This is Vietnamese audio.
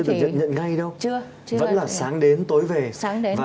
vẫn là sáng đến tối về